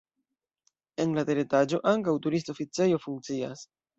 En la teretaĝo ankaŭ turista oficejo funkcias.